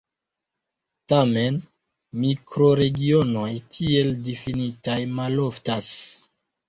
Tamen, mikroregionoj tiel difinitaj maloftas.